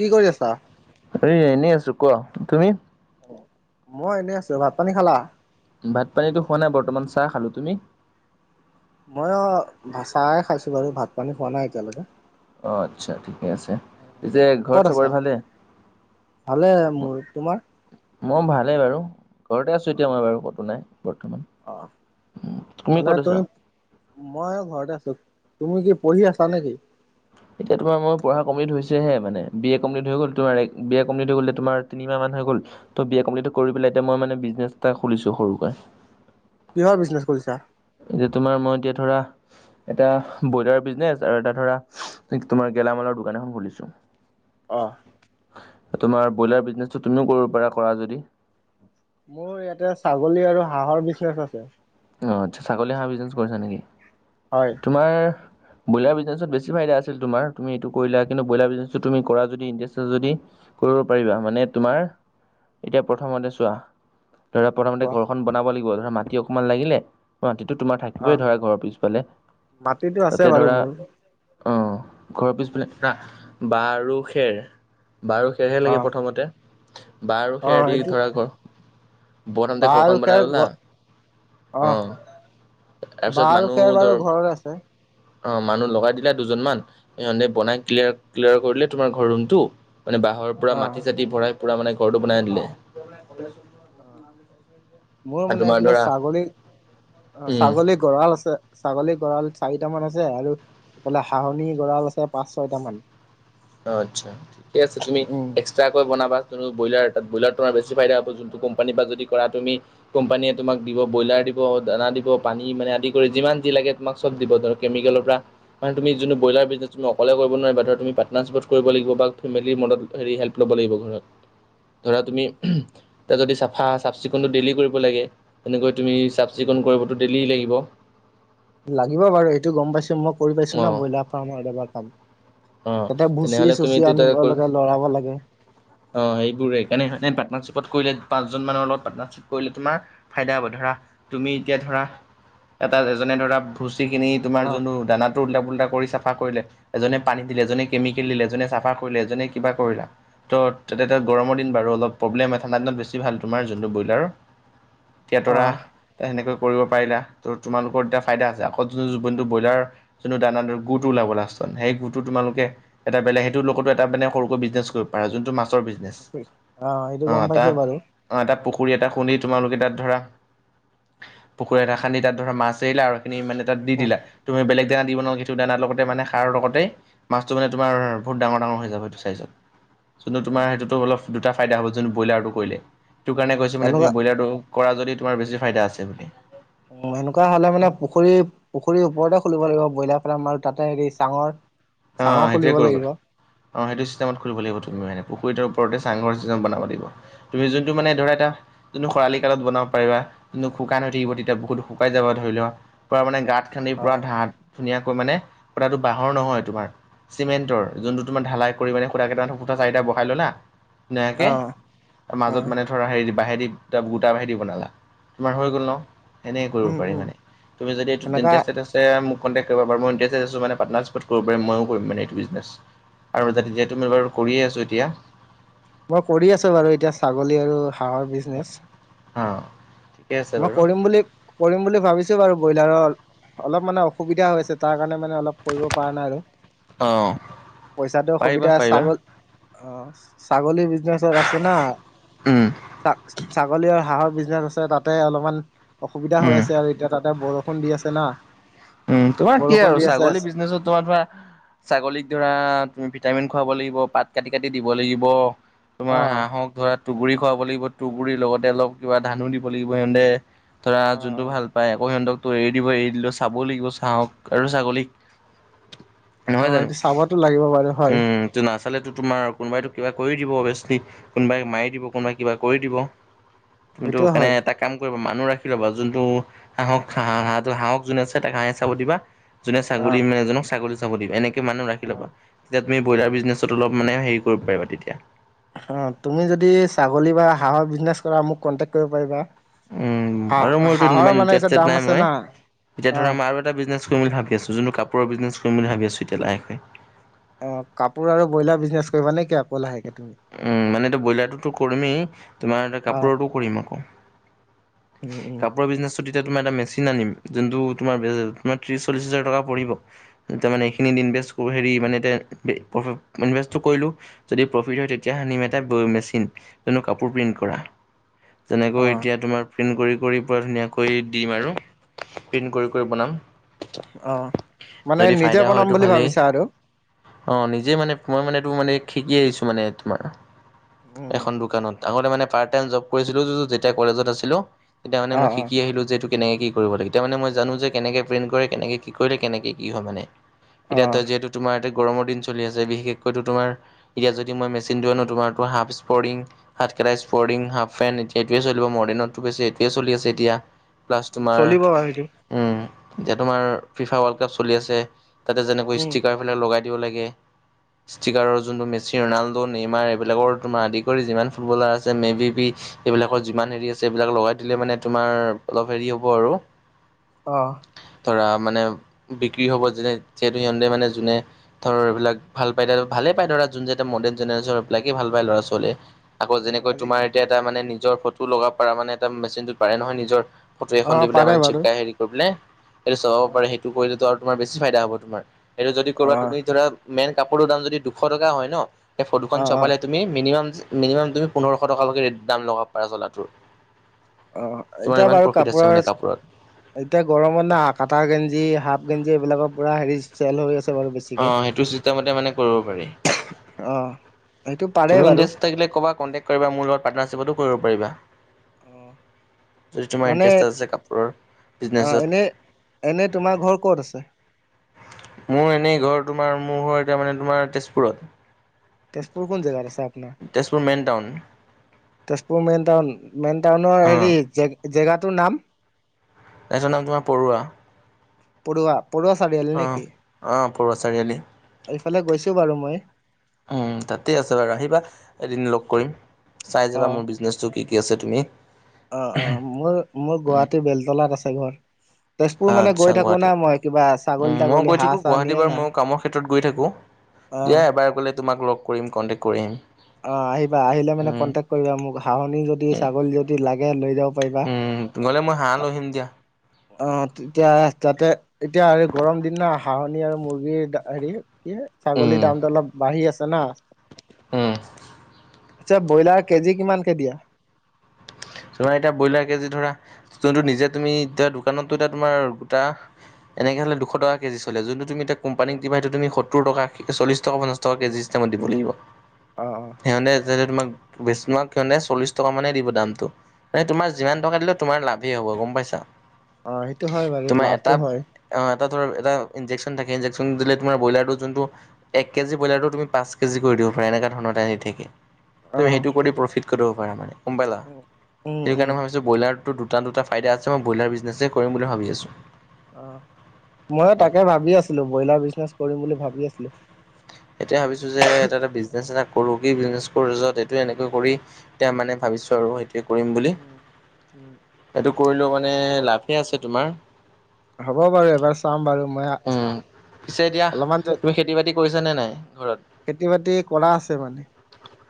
কি কৰি আছা? এ এনেই আছো ক, তুমি? মই এনেই আছো, ভাত পানী খালা? ভাত পানীতো খোৱা নাই বৰ্তমান চাহ খালো, তুমি? মইও ভ চাই খাইছো বাৰু ভাত পানী খোৱা নাই এতিয়ালৈকে। অঁহ আচ্ছা ঠিকে আছে। পিছে ঘৰত ক'ত চবৰে আছা? ভালে? ভালে মোৰ। তোমাৰ? মই ভালেই বাৰু ঘৰতে আছো এতিয়া মই বাৰু কতো নাই বৰ্তমান। অঁহ, তুমি মানে ক'ত আছা তই- মই ঘৰতে আছো, তুমি কি পঢ়ি আছা নেকি? এতিয়া তোমাৰ পঢ়া কম্লিট হৈছেহে মানে এ কমপ্লট হৈ গ'ল তোম বি এ কমপ্লি হৈ গ'লে তোমাৰ তিনিাহ মান হৈ গ'ল। ত' বি এ কমপ্লি কৰি পেলাই এতিয়া মই মানে বিজনেছ এটা খুলিছো সৰুকে কিহৰ বিজনেছ খুলিচা এতিয়া তোমাৰ মই এতিয়া ধৰা এটা ব্ৰইলাৰ বিজনেচ আৰু এটা ধৰা তোমাৰ গেলামালৰ দোকান এখন খুলিছো অ তোমাৰ ব্ৰইলাৰ বিজনেচটো তুমিও কৰিব পাৰা কৰা যদি মোৰ ইয়াতে ছাগলী আৰু হাঁহৰ বিজনেছ আছে অ আচ্ছা ছাগলী হাঁহ বিজনেছ কৰিছা নেকি হয় আমাৰ ব্ৰইলাৰ বিজনেছত বেছি ফাইদা আছিল তোমাৰ তুমি এইটো কৰিলা কিন্তু ব্ৰইলাৰ বিজনেচটো তুমি কৰা যদি ইণ্টাৰেষ্ট আছে যদি কৰিব পাৰিবা মানে তোমাৰ এতিয়া প্ৰথমতে চোৱা ধৰা প্ৰথমতে কোৱা? ঘৰখন বনাব লাগিব ধৰা মাটি অকমান লাগিলে মাটিটো তোমাৰ অ থাকিবই ধৰা ঘৰৰ পিছফালে মাটিতো আছে তাতে বাৰু ধৰা মোৰ। অ ঘৰৰ পিছফালে ধৰা বাঁহ আৰু খেৰ বাঁহ আৰু খেৰহে অ লাগে প্ৰথমতে বাহ আৰু অ খেৰ দি এইটো ধৰা ঘৰ বৰধানতে বাঁহ আৰু ঘৰখন খেৰ বনাই ললা ঘ অ বাঁহ তাৰপিছত আৰু মানুহ খেৰ বাৰু ধৰ ঘৰৰে আছে। অ মানুহ লগাই দিলে দুজন মান ইহঁতে বনাই ক্লিয়াৰ ক্লিয়াৰ কৰিলে তোমাৰ ঘৰ ৰুমটো মানে বাহৰ পৰা অ মাটি চাতি ভৰাই পুৰা মানে ঘৰটো বনাই দিলে মোৰ আ মানে তোমাৰ এইফালে ধৰা ছাগলী উম ছাগলী গৰাল আছে ছাগলী গঁৰাল চাৰিটামান আছে আৰু এইফালে হাহনি গঁৰাল আছে পাঁচ ছয়টা মান অ আচ্ছা ঠিকে আছে তুমি উম এস্ক চাকৈ বনাবা তোনো ব্ৰইলাৰ তাত ব্ৰইলাৰ তোমাৰ বেছি ফাইদ হ'ব যোনটো কোম্পানী পা যদি কৰা তুমি কোম্পানীয়ে তোমাক দিব ব্ৰইলাৰ দিব দানা দিব পানী মানে আদি কৰি যিমান যি লাগে তোমাক চব দিব ধৰা কেমিকেলৰ পৰা মানে তুমি যোনটো ব্ৰইলাৰ বিজনেছ তুমি অকলে কৰিব নোৱাৰা ধৰা তুমি পাট পাৰ্টনাৰশ্বিপ কৰিব লাগিব বা ফেমিলীৰ মদত হেৰি হেল্প ল'ব লাগিব ঘৰত ধৰা তুমি উম তই যদি চাফা চাফ চিকুণটো ডেইলি কৰিব লাগে তেনেকৈ তুমি চাফ চিকুণ কৰিবতো ডেইলি লাগিব লাগিব বাৰু এইটো গম পাইছো মই কৰি পাইছো অ না ব্ৰইলাৰ ফাৰ্মৰ এদবা কাম অ তাতে তেনেহ'লে ভুচি তুমি চুচি এইটো ত আনিব লাগে লৰাব লাগে অ এইবোৰেই কাণে হয় নে পাৰ্টনাৰশ্বিপ কৰিলে পাঁজন মানৰ লগত পাৰ্টনাৰশ্বিপ কৰিলে তোমাৰ ফাইদা হ'ব ধৰা তুমি এতিয়া ধৰা এটা এজনে ধৰা ভুচি খিনি তোমাৰ অ যোনো দানা টো উল্টা পোল্টা কৰি চাফা কৰিলে এজনে পানী দিলে, এজনে কেমিকেল দিলে, এজনে চাফা কৰিলে, এজনে কিবা কৰিলা ত' তাতে এতিয়া অ গৰমৰ দিন বাৰু অলপ প্ৰব্লেম হয় ঠাণ্ডা দিনত বেছি ভাল তোমাৰ যোনটো ব্ৰইলাৰ এতিয়া অ তৰা এ সেনেকৈ কৰিব পাৰিলা তো তোমালোকৰ এতিয়া ফাইদা আকৌ যোনটো জীপনটো ব্ৰইলাৰ যোনটো দানা ধৰ গুটো ওলাব লাষ্টত সেই গো টো তোমালোকে এটা বেলেগ সেইটোৰ লগতো এটা সৰুকৈ বিজনেছ কৰিব পাৰা যোনটো মাছৰ অ বিজনেছ সেইটো অ গম পাইছো তাত বাৰু অ তাত পুখুৰী এটা খুন্দি তোমালোকে তাত ধৰা পুখুৰী এটা খান্দি তাত ধৰা মাছ এৰিলা আৰু এইখিনি মানে তাত দি দিলা তুমি বেলেগ দানা দিব নালাগে সেইটো দানাৰ লগতে মানে সাৰৰ লগতে মাছটো মানে তোমাৰ বহুত ডাঙৰ ডাঙৰ হৈ যাব সেইটো চাইজত যোনটো তোমাৰ সেইটোতো অলপ দুটা ফাইদা হ'ব যোনটো ব্ৰইলাৰটো কৰিলে সেইটো কাৰণে কৈছে মানে সেনেকুৱা তুমি ব্ৰইলাৰটো কৰা যদি তোমাৰ বেছি ফাইদা আছে বুলি অ সেনেকোৱা হ'লে মানে পুখুৰী পুখুৰীৰ ওপৰতে খুলিব লাগিব ব্ৰইলাৰ ফাৰ্ম আৰু তাতে হেৰি চাঙৰ চাঙৰ অ' সেইটোৱে খুলিব কৰিব। লাগিব অ অ' সেটো চিষ্টেমত খুলিব লাগিব তুমি পুখুৰীৰ ওপৰতে চাংঘৰ চিচটেম বনাব লাগিব তুমি যোনটো মানে ধৰা এটা যোনটো খৰালি কালত বনাব পাৰিবা যোনটো শুকান হৈ থাকিব তেতিয়া বহুত শুকাই যাব ধৰি লোৱা পুৰা মানে গাত খানিৰ অ পৰা ধাত ধুনীয়াকৈ মানে খুটাতো বাঁহৰ নহয় তোমাৰ চিমেণ্টৰ যোনটো তোমাৰ ঢালাই কৰি মানে খুটাকেইটা খুটা চাৰিটা বহাই ললা ধুনীয়াকে আৰু অ মাজত মানে ধৰা হেৰিদি বাঁহেদি গোটা বাঁহেদি বনালা তোমাৰ হৈ গ'ল ন সেনেকে কৰিব উম পাৰি উম মানে তুমি যদি সেনেকা ইণ্টাৰেষ্টেড আছে মোক কণ্টেক্ট কৰিব পাৰিবা মই ইণ্টাৰেষ্টেড আছো মানে পাটণাৰশ্বিপট কৰিব' পাৰি ময়ো কৰিম মানে এইটো বিজনেছ আৰু যাতে যিহেতু মই বাৰু কৰিয়ে আছো এতিয়া মই কৰি আছো বাৰু এতিয়া ছাগলী আৰু হাঁহৰ বিজনেচ অ আছে মই বাৰু কৰিম বুলি কৰিম বুলি ভাবিছো বাৰু ব্ৰইলাৰৰ অলপ মানে অসুবিধা হৈ আছে তাৰ কাৰণে মানে অলপ কৰিব পৰা নাই আৰু অ পইচাটো পাৰিবা অসুবিধা পাৰিবা ছাগ অ' ছাগলী বিজনেছত আছে না উম ছা ছাগলী আৰু হাঁহৰ বিজনেছ আছে তাতে অলপমান অসুবিধা হৈ উম আছে আৰু এতিয়া তাতে বৰষুণ দি আছে না উম, তোমাৰ কি বৰষুণ আৰু দি আছে ছাগলী বিজনেছত তোমাৰ তোমাৰ ছাগলীক ধৰা তুমি ভিটামিন খুৱাব লাগিব পাত কাটি কাটি দিব লাগিব তোমাৰ অ হাঁহক ধৰা টুহগুৰি খুৱাব লাগিব টুহগুৰিৰ লগতে অলপ কিবা ধানো দিব লাগিব সিহঁতে ধৰা অ যোনটো ভাল পাই আকৌ সিহঁতক তোৰ এৰি দিব এৰি দিলো চাবও লাগিব ছাহক আৰু ছাগলীক নহয় অ জানো এইটো চাবতো লাগিব বাৰু হয় উম তো নাচালেতো তোমাৰ কোনোবাইতো কিবা কৰি দিব অবেচলি কোনোবাই মাৰি দিব কোনোবাই কিবা কৰি দিব তুমিতো এইটোও সেকাৰণে হয় এটা কাম কৰিবা মানুহ ৰাখি ল'বা যোনটো হাঁহক হা হাঁহটো হাঁহক যোনে আছে তাক হাঁহে চাব দিবা যোনে অ ছাগলী মানে এজনক ছাগলী চাব দিবা এনেকে মানুহ অ ৰাখি লবা তে তুমি ব্ৰইলাৰ বিজনেছত অলপ মানে হেৰি কৰিব পাৰিবা তেতিয়া অ' তুমি যদি ছাগলী বা হাঁহৰ বিজনেছ কৰা মোক কণ্টেক্ট কৰিব পাৰিবা। উম বাৰু হাঁহ মোৰ এইটো হাঁহৰ ইমান মানে এতিয়া ইণ্টাৰেষ্টেড দাম নাই আছে মই। না এতিয়া ধৰা অহ মই আৰু এটা বিজনেছ কৰিম বুলি ভাবি আছো যোনটো কাপোৰৰ বিজনেছ কৰিম বুলি ভাবিছো এতিয়া লাহেকে অ কাপোৰ আৰু ব্ৰইলাৰ বিজনেছ কৰিবা নে কি আকৌ লাহেকে তুমি উম মানেতো ব্ৰইলাৰটোতো কৰিমেই তোমাৰ এতিয়া অ', কাপোৰৰটো কৰিম আকৌ উম, উম, কাপোৰৰ বিজনেছটো তেতিয়া তোমাৰ এটা মেচিন আনিম যোনটো তোমাৰ ত্ৰিশ চল্লিশ হাজাৰ টকা পৰিব এতিয়া মানে এইখিনিত ইনভেষ্ট হেৰি মানে এতিয়া প্ৰফ ইনভেষ্টটো কৰিলো। যদি প্ৰফিট হয় তেতিয়া আনিম এটা মেচিন কিন্তু কাপোৰ প্ৰিণ্ট কৰা যেনেকৈ অ', এতিয়া তোমাৰ প্ৰিণ্ট কৰি কৰি পুৰা ধুনীয়াকৈ দিম আৰু প্ৰিণ্ট কৰি কৰি বনাম অ' মানে যদি নিজে ফাইদা বনাম হয়তো বুলি ভালেই। ভাবিছা আৰু অ' নিজেই মানে মই মানে এইটো মানে শিকি আহিছো মানে তোমাৰ উম, এখন দোকানত আগতে মানে পাৰ্ট টাইম জব কৰিছিলো যেতিয়া কলেজত আছিলো তেতিয়া মান মই অ', অ', শিকি আহিলো যে এইটো কেনেকে কি কৰিব লাগেতিয়া মানে মই জানো যে কেনেকে প্ৰেন্ট কৰে কেনেকে কি কৰিলে কেনেকে কি হয় মানে অ', এতিয়া যিহেতু তোমাৰ এতে গৰমৰ দিন চলি আছে বিশেষকৈো তোমাৰ এতিয়া যদি মই মেচিনটো আনো তোমাৰতো হাফ স্পৰিিং হাত কটা স্পৰ্িং হাফ পেণ্ট এতিয়া এইটোৱে চলিব মডাৰণতছে এইটোৱে চলি আছে এতিয়া প্লাছ তোমাৰ চলিব বাৰু সেইটো এতিয়া তোমাৰ ফিফা ৱৰ্ল্ড কাপ চলি আছে তাতে যেনেকৈ উম, ষ্টিকাৰ আপোনাক লগাই দিব লাগে ষ্টিকাৰৰ যোনটো মেচি ৰনাল্ডো নেমাৰ এইবিলাকৰ তোমাৰ আদি কৰি যিমান ফুটবলাৰ আছে মে' বি বি এইবিলাকৰ যিমান হেৰি আছে এইবিলাক লগাই দিলে মানে তোমাৰ অলপ হেৰি হ'ব আৰু অ ধৰা মানে বিক্ৰী হ'ব যেনে যিহেতু সিহঁতে মানে যোনে ধৰ এইবিলাক ভাল পাই ভালে পায় লৰা যোন যে এ মডাৰ্ণ জেনেৰেশ্যন এইবিলাকে ভাল পায় লৰা চোৱলে আকৌ উম, যেনেকৈ আজি তোমাৰ এতিয়া এটা মানে নিজৰ ফটো লগাব পাৰ মানে এটা মেচিনটো পাৰে নহয় নিজৰ ফটো এখন দি অ', পেলাই পাৰে মানে বাৰু জীপকাাই হেৰি কৰি পেলাই সেইটো চলাব অ', পাৰে সেইটো কৰিলে আৰু তোমাৰ বেছি ফাইদা হব তোমাৰ এইটো যদি কবা অ', তুমি ধৰা মেইন কাপোৰৰ দাম যদি দুশ টকা হয় ন সেই ফটোখন অ', অ', চপালে তুমি মিনিমাম মিনিমাম তুমি পোন্ধৰশ টকৈকেৰেট দ ল'ব পাৰা চলাটো অ' এতিয়া বাৰু প্ৰফিট আছে মানে কাপোৰৰ কাপোৰত। এতিয়া গৰমত না কাটা গেঞ্জি হাফ গেঞজি এইবিলাকৰ পুৰা হেৰি চেল হৈ আছে বাৰু বেছিকে অ' সেইটো চিষ্টেমতে মানে কৰিব পাৰি। অ সেইটো পাৰে তুমি বাৰু ইণ্টাৰেষ্টটো থাকিলে ক'বাত কণ্টেক্ট কৰিবা মোৰ লগত পাৰ্নাৰশ্বিপতো কৰিব পাৰা অঁ মানে আছে কাপোৰৰ অ বিজনেছত এনে এনে তোমাৰ ঘৰ ক'ত আছে মোৰ এনেই ঘৰ তোমাৰ মোৰ ঘ এতিয়া মানে তোমাৰ তেজপুৰত তেজপুৰ কোন জগাত আছেপোনাৰ Tezpur main town Tezpur main town main টাউনৰ হেৰি অঁ জ জেগাটোৰ নাম এজৰ নাম তোমাৰ পৰুৱা পৰুৱা পৰুৱা চাৰিআল অঁ নেকি অঁ পৰুৱা চাৰিআলি এইফালে গৈছো বাৰু মই উম তাতে আছে বাৰু আহিবা এদিন লগ কৰিম চাই অ যাবা মোৰ বিজনেচটো কি কি আছে তুমি অ অ মোৰ মোৰ উম, গুৱাহাটীৰ বেলতলাত আছে ঘৰ তেজপুৰ মানে আচ্ছা গৈ থাকো না গুৱাহাটী মই কিবা উম, ছাগলী মই তাগলী গৈ হাঁহ থাকোঁ চাঁ গুৱাহাটী নিয়ে বাৰু নাই ময়ো কামৰ ক্ষেত্ৰত গৈ থাকোঁ দিয়া এবাৰ গ'লে তোমাক লগ কৰিম কণ্টেক্ট কৰি আহিম অ আহিবা আহিলে মানে উম, কনটেক্ট কৰিবা মোক হাহনি যদি উম, ছাগলী যদি লাগে লৈ যাব পাৰিবা উম, গ'লে মই হাঁ লোহিম দিয়া আহ তেতিয়া তাতে এতিয়া আৰু গৰম দিনা হাঁহনি আৰু মুৰ্গীৰ হেৰি কি ছাগলীৰ দামটোো অলপ বাঢ়ি আছে না উ আচ্ছা ব্ৰইলাৰ কেজি কিমানকে দিয়া তোমাৰ এতিয়া ব্ৰইলাৰ কেজি ধৰা যোনটো নিজে তুমি এতিয়া দোকানতো এতি তোমাৰ গোটা এনেকৈ'লে দুশ টকা কেজি চলে যোনটো তুমিয়া অ', কোম্পানীকটিভাইটো তুমি সত্তৰ টকা চল্লি কা পঞ্চছ টকা কেজি হিষ্টাপমত দিবাগিব অ অ সিহঁতে য তোমাক বেছ তোমাক সিহঁতে চল্লিছ টকানেই দিব দামটো মানে তোমাৰ যিমান টকা দিলে তোমাৰ লাভেই হ'ব গম পাইছা। অ সেইটো হয় বাৰু তোমাৰ এটা লাভটো হয়। অ এটা ধৰ এটা ইনজেকশ্যন থাকে ইনজেকশন দিলে তোমাৰ ব্ৰলাৰটো যোনটো এক কেজি ব্ৰইলাৰটো তুমি পাঁচ কেজি কৰি দিবা পৰা এনেকুৱা ধৰণৰ এটা আহ দি থাকে তুমি সেইটো কৰি প্ৰফিট কৰিব পাৰা মানে গম পালা। উম, উম, সেইটো উম, কাৰণেই ভাবিচো ব্ৰইলাৰটো দুটা দুটা ফাইদা আছে মই ব্ৰলাৰ বিজনেই কৰিম বুলি ভাবি আছোঁ। অ', ময় তাকে ভাবি আছিলো ব্ৰইলাৰ বিজনেছ কৰিম বুলি ভাবি আছিলো। এতিয়া ভাবিছো যে এটা এটা বিজনেছ এটা কৰো কি বিজনেছ কৰোত এইটো এনেকৈ কৰি এতিয়া মানে ভাবিছো আৰু সেই কৰিম বুলি উম, এইটো কৰিলো মানে লাভেই আছে তোমাৰ। হ'ব বাৰু এবাৰ চাম বাৰু মই উম। পিছে এতিয়া অলপমান তুমি খেতি বাতি কৰিছে নে নাই ঘৰত? খেতি বাতি কৰা আছে মানে।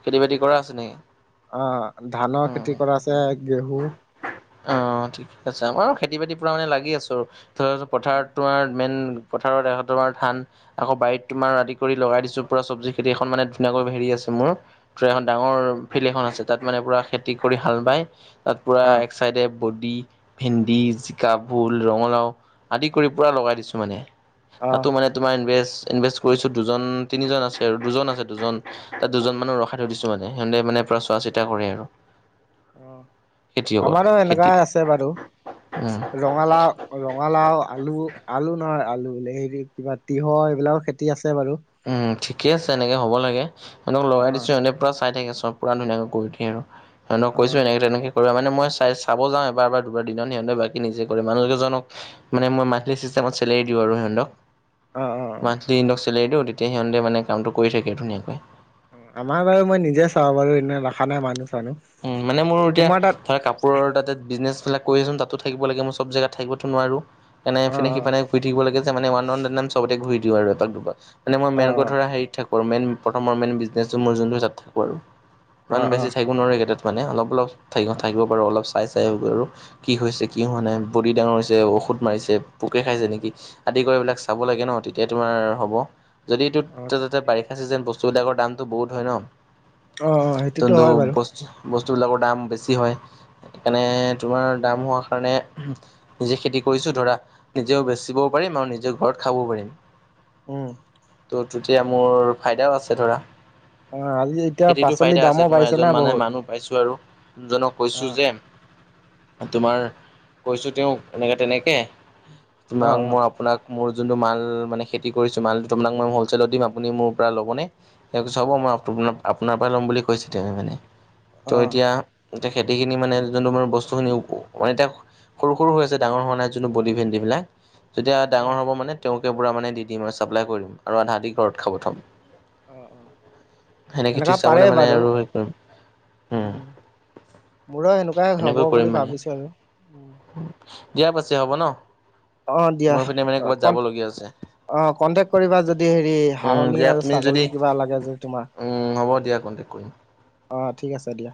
খেতি বাতি কৰা আছে নেকি? অ', ধানৰ উম। খেতি কৰা আছে ঘেঁহু। অ', ঠিকে আছে আমাৰ খেতি বাতি পৰা মানে লাগি আছো। ছ পথাৰত তোমাৰ মেইন পথাৰত এ তোমাৰ ধান আকৌ বাৰীত তোমাৰ আদি কৰি লগাই দিছো পুৰা চব্জি খেতি এখন মানে ধুনীয়াকৈ হেৰি আছে মোৰ এখন ডাঙৰ ফিল এখন আছে তাত মানে পুৰা খেতি কৰি হাল বাই তাত পুৰা অ', ছাইডে বডি ভেন্দি জিকা ভোল ৰঙালাও আদি কৰি পুৰা লগাই দিছো মানে অ', তাতো মানে তোমাৰ ইনভেজ ইনভেজ কৰিছো দুজন তিনিজন আছে আৰু দুজন আছে দুজন তাত দুজন মানুহ ৰখাই থৈ দিছো মানে সিহঁতে মানে পুৰা চোৱা চিতা কৰে আৰু অ খেতিয়কত আমাৰো খেতিত এনেকুৱাই আছে বাৰু উম। ৰ ৰঙালাও ৰঙালাও আলু আলু নহয় আলু বোলে হে কিবা তিঁহৰ এইবিলাকও খেতি আছে বাৰু। উম ঠিকে আছে এনেকৈ হ'ব লাগে এনক লগাই অ', দিছোঁ এনেই পৰা চাই থাকে চব। পুৰা ধুনীয়াকৈ কৰি দিয়ে আৰু সিহঁতক কৈছো অ', এনেকে তেনেকে কৰিব মানে মই চাই চাব যাওঁ এবাৰ এবাৰ দুবাৰ দিনত সিহঁতে বাকী নিজে কৰি মানুহ কেজনক মানে মই মান্থলি চিষ্টেমত চেলাৰ দিও আৰু সিহঁতক। অ', অ', অ', মান্থলি ইহতক চেলোৰীটো তেতিয়া সিহঁতে মানে কামটো কৰি থাকে ধুনীয়াকৈ। আমাৰ বাৰু মই নিজে চাওঁ বাৰু এনে ৰখা নাই মানুহ চানুহ। উ মানে মোৰ এতিয়া তোমাৰ তাত ধৰা কাপোৰ ওপৰ তাতে বিজনেছ বিলাক কৰি আছো তাতো থাকিব লাগে মই চব জেগাত থাকিব নোৱাৰোঁ। এনে অ', সেইনে অ', সিফি ঘূৰি থাকিব লাগে যে মানে ৱ ৱ চবতে ঘূৰি দি আৰু এপাক দুবাক। মানে মই অ', মেইনকৈ অ', ধৰা হেৰিত থাকোঁ আৰু মেইন প্ৰথম মেইন বিজনেছচটো মোৰ যোনটো তাত থাকোঁ আৰু। ইমান অ', বেছি অ', থাকিবো নোৱাৰু কেইটাত মানে অলপ অলপ থ-থাকিব পাৰো অলপ চাই চাই আৰু। কি হৈছে কি হোৱা নাই বডি ডাঙৰ হৈছে ঔষধ মাৰিছে পোকে খাইছে নেকি। আদি কৰি এইবিলাক চাব লাগে ন তেতিয়া তোমাৰ হ'ব। যদি এইটো অ', তে বাৰিষা চিজন বস্তুবিলাকৰ দামটো বহুত হয় অ', ন। সেইটোতো কিন্তু হয় বাৰু বস্তু বস্তুবিলাকৰ দাম বেছি হয়। এনে তোমাৰ দাম হোৱাৰ কাৰণে নিজে খেতি কৰিছোঁ ধৰা নিজেও বেচিবও পাৰিম আৰু নিজেও ঘৰত খাবও পাৰিম। উম। ত তেতিয়া মোৰ ফাইদাও আছে ধৰা। অ', আজি এতিয়া খেতিতো পাচলিৰ ফাইদা আছে দামো তোমাৰ বাঢ়িছে এজন না মানে বহুত মানুহ মই পইছোঁ আৰু এজনক কৈছোঁ অ', যে তোমাৰ কৈছোঁ তেওঁক এনেকে তেনেকে তোমাক অ', অ', মই আপোনাক মোৰ যোনটো মাল মানে খেতি কৰিছোঁ মালটো তোমাক মই হ'লচেলত দিম আপুনি মোৰ পৰা ল'বনে। তেওঁক চাব মই আপোন আপোনাৰ পৰাই ল'ম বুলি কৈছে তেওঁৱে মানে। ত অ', এতিয়া এতিয়া খেতিখিনি মানে যোনটো মানে বস্তুখিনি মানে তেওঁ সৰু সৰু হৈ আছে ডাঙৰ হোৱা নাই যোনটো বদি ভেণ্ডি বিলাক। যেতিয়া অ', ডাঙৰ হ'ব মানে তেওঁককে পুৰা মানে দি দিম আও ছাপ্লাই কৰি দিম আৰু আধা আধি ঘৰত খাব থম। অ', অ', সেনেকে সেনেকা ত্ৰিছটা পাৰে মানে মানে বাৰু আৰু হেৰি কৰিম। উম মোৰো সেনকুৱাই এনেকৈ হ'ব কৰিম বুলি মানে ভাবিছো আৰু। দিয়া পাছে হ'ব ন অ', দিয়া মই এপিনে মানে ক'ৰবাত যাব কণ্টেক লগীয়া আছে। অ কণ্টেক্ট কৰিবা যদি হেৰি উম হাঁহনি দিয়া আৰু তুমি যদি ছাগলী কিবা লাগে যদি তোমাক উম হ'ব দিয়া কণ্টেক্ট কৰিম। অ ঠিক আছে দিয়া।